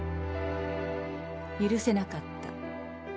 許せなかった。